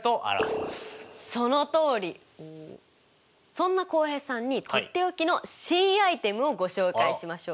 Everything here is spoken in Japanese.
そんな浩平さんにとっておきの新アイテムをご紹介しましょう。